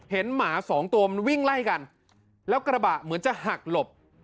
หมาสองตัวมันวิ่งไล่กันแล้วกระบะเหมือนจะหักหลบ